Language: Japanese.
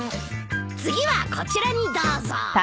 次はこちらにどうぞ。